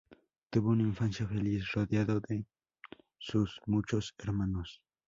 Tuvo una infancia feliz rodeado de sus muchos hermanos.